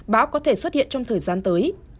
báo có thể xuất hiện trong thời gian tới